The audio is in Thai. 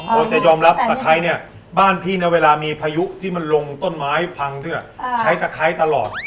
๑๘๐๐โตสิยอมรับตะไคร้เนี่ยบ้านพี่เวลามีพายุที่ลงต้นไม้ผังเสื้อใช้ตะไคร้ตลอด